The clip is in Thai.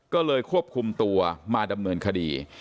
ก็เลยควบคุมตัวมาดำเนินคดี